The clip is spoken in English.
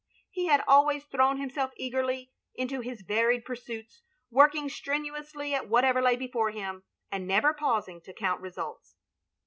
He had always thrown himself eagerly into his varied pursuits, working strenuously at whatever lay before him, and never pausing to count results.